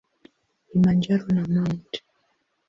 Kilimanjaro na Mt.